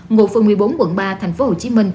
ngộ phường một mươi bốn quận ba tp hcm